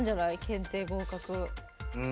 検定合格。